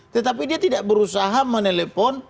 tetapi dia tidak berusaha menelpon